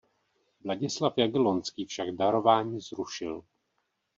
Vladislav Jagellonský však darování zrušil.